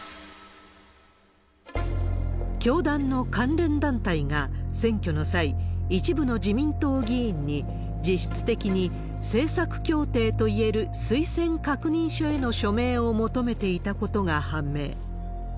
教団の関連団体が選挙の際、一部の自民党議員に実質的に政策協定といえる推薦確認書への署名を求めていたことが判明。